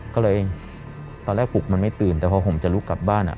ก็เลยตอนแรกปลุกมันไม่ตื่นแต่พอผมจะลุกกลับบ้านอ่ะ